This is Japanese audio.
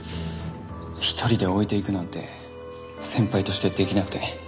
一人で置いていくなんて先輩としてできなくて。